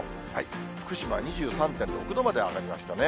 福島２３．６度まで上がりましたね。